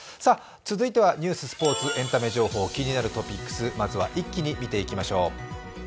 続いてはニュース、スポーツ、エンタメ情報、気になるトピックス、まずは一気に見ていきましょう。